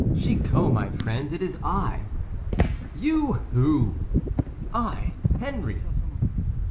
"Chicot, my friend, it is I." "You; who?" "I, Henri."